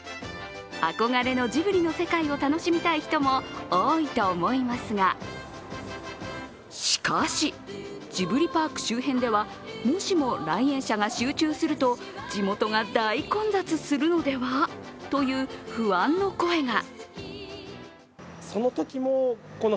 憧れのジブリの世界を楽しみたい人も多いと思いますが、しかし、ジブリパーク周辺ではもしも来園者が集中すると地元が大混雑するのではという不安の声が。